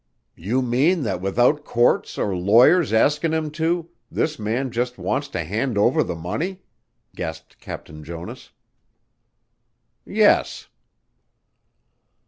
"You mean that without courts or lawyers askin' him to, this man just wants to hand over the money?" gasped Captain Jonas. "Yes."